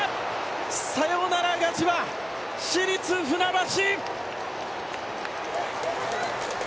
サヨナラ勝ちは、市立船橋！